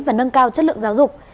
và nâng cao chất lượng giáo dục